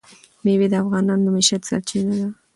مېوې د افغانانو د معیشت سرچینه ده.